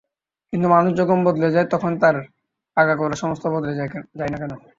কিন্তু মানুষ যখন বদলে যায় তখন তার আগাগোড়া সমস্ত বদল হয় না কেন?